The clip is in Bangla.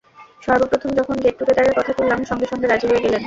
সর্ব প্রথম যখন গেট টুগেদারের কথা তুললাম, সঙ্গে সঙ্গে রাজি হয়ে গেলেন।